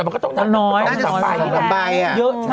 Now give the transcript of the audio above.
มันก็ต้องน้อยหรอน่าจะสองใบอ่ะเยอะทำแม้สองใบ